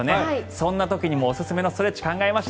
そんな時にもおすすめのストレッチ考えました。